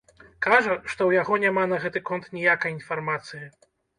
Кажа, што ў яго няма на гэты конт ніякай інфармацыі.